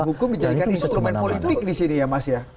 dan hukum menjadikan instrumen politik di sini ya mas ya